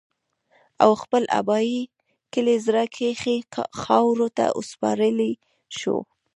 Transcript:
او خپل ابائي کلي زَړَه کښې خاورو ته اوسپارلے شو